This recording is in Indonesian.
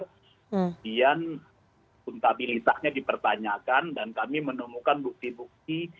kemudian akuntabilitasnya dipertanyakan dan kami menemukan bukti bukti